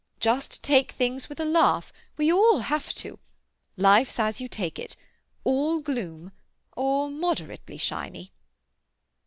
Just take things with a laugh—we all have to. Life's as you take it: all gloom or moderately shiny."